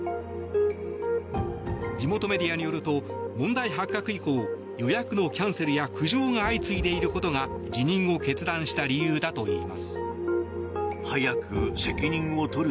地元メディアによると問題発覚以降予約のキャンセルや苦情が相次いでいることが辞任を決断した理由だといいます。